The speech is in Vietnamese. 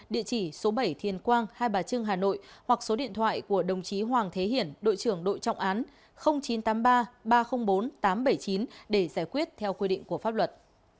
địa chỉ số bảy thiên quang hai bà trưng hà nội hoặc số điện thoại của đồng chí hoàng thế hiển đội trưởng đội trọng án chín trăm tám mươi ba ba trăm linh bốn tám trăm bảy mươi chín để giải quyết theo quy định của pháp luật